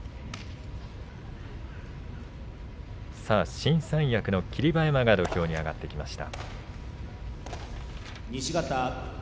新三役の霧馬山が土俵に上がってきました。